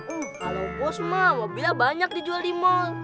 kalo bos mah mobilnya banyak dijual di mall